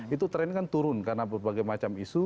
itu tren kan turun karena berbagai macam isu